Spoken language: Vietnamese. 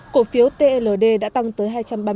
cổ phiếu tld đã tăng tới hai trăm ba mươi